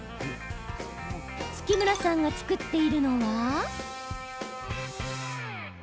月村さんが作っているのは。